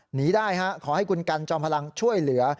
หนีได้ฮะขอให้คุณกันจอมพลังช่วยเหลือ